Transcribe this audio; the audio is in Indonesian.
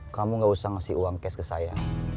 kamu gak usah ngasih uang cash ke saya